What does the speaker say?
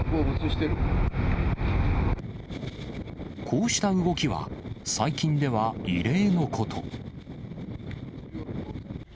こうした動きは、最近では、異例のこと。